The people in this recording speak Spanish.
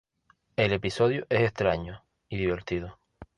El episodio es extraño y divertido".